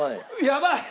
やばい！